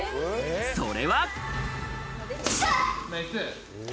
それは。